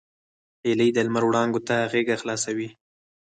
هیلۍ د لمر وړانګو ته غېږه خلاصوي